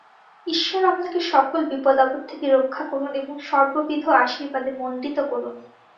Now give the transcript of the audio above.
ঈশ্বর আপনাকে সকল বিপদ আপদ থেকে রক্ষা করুন এবং সর্ববিধ আশীর্বাদে মণ্ডিত করুন।